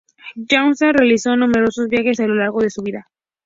Johansson realizó numerosos viajes a lo largo de su vida.